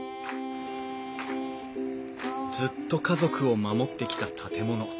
ずっと家族を守ってきた建物。